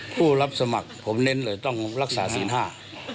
ผู้รับสมัครผมเน้นเลยต้องรักษาศีลห้า